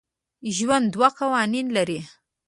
ژوند دوه قوانین لري.